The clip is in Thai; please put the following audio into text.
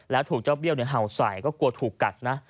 แล้วถูกเจ้าเบี้ยวเห่าใส่ก็กลัวถูกกัดนะ